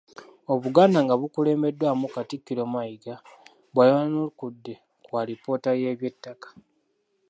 Obuganda nga bukulembeddwamu Katikkiro Mayiga bwayanukudde ku alipoota y'eby'ettaka.